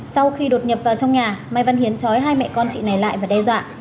sau khi đột nhập vào trong nhà mai văn hiến trói hai mẹ con chị này lại và đe dọa